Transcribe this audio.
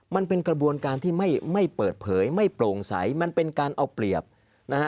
มันเป็นกระบวนการที่ไม่เปิดเผยไม่โปร่งใสมันเป็นการเอาเปรียบนะฮะ